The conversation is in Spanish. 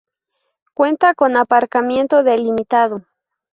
Cuenta con aparcamiento delimitado.